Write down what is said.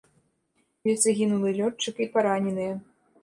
Ёсць загінулы лётчык і параненыя.